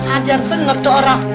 ajar bener tuh orang